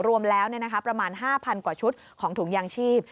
รวมแล้วประมาณ๕๐๐กว่าชุดของถุงยางชีพ